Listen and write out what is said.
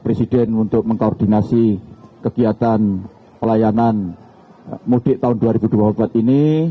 presiden untuk mengkoordinasi kegiatan pelayanan mudik tahun dua ribu dua puluh empat ini